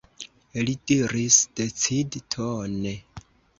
li diris decidtone.